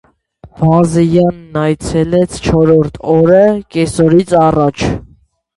Բազենյանն այցելեց չորրորդ օրը, կեսօրից առաջ: